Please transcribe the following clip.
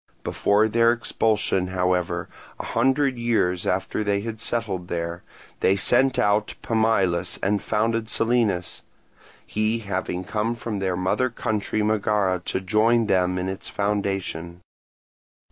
Before their expulsion, however, a hundred years after they had settled there, they sent out Pamillus and founded Selinus; he having come from their mother country Megara to join them in its foundation.